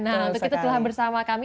nah untuk itu telah bersama kami